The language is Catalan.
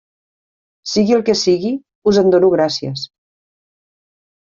Sigui el que sigui, us en dono gràcies.